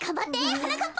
はなかっぱ！